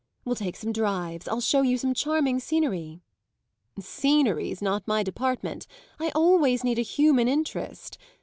We'll take some drives; I'll show you some charming scenery." "Scenery's not my department; I always need a human interest.